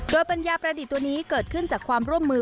โดยปัญญาประดิษฐ์ตัวนี้เกิดขึ้นจากความร่วมมือ